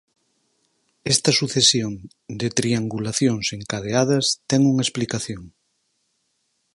Esta sucesión de triangulacións encadeadas ten unha explicación.